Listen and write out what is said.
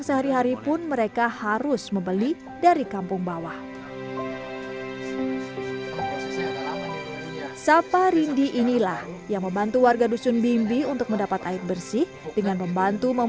setelah menempuh perjalanan sekitar empat puluh menit dengan ojek